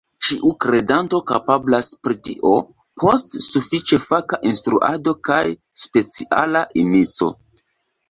Ĉiu kredanto kapablas pri tio – post sufiĉe faka instruado kaj speciala inico.